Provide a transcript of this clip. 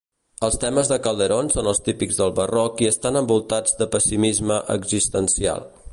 Els temes de Calderón són els típics del barroc i estan envoltats de pessimisme existencial.